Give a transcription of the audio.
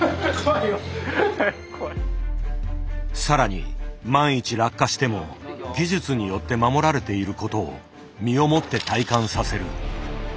さらに万一落下しても技術によって守られていることを身をもって体感させる。